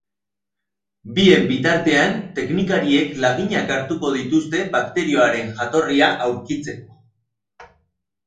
Bien bitartean, teknikariek laginak hartuko dituzte bakterioaren jatorria aurkitzeko.